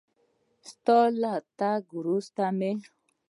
ستا له تګ وروسته مې